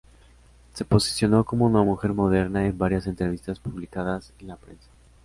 Se posicionó como una "mujer moderna" en varias entrevistas publicadas en la prensa.